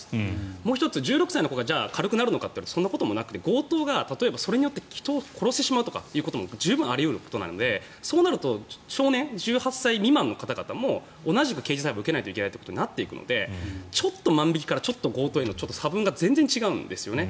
もう１つ、１６歳の子が軽くなるかというとそんなこともなくて強盗が例えばそれによって人を殺してしまうことも十分あり得ることなのでそうなると、少年１８歳未満の方々も同じく刑事裁判を受けなきゃいけないとなってくるのでちょっと万引きからちょっと強盗への差分が全然違うんですよね。